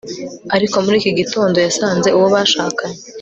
ariko muri iki gitondo, yasanze uwo bashakanye